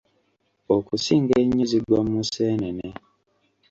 Okusinga ennyo zigwa mu Museenene.